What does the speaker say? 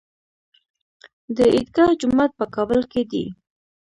د عیدګاه جومات په کابل کې دی